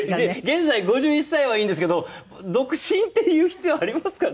「現在５１歳」はいいんですけど「独身」って言う必要ありますかね？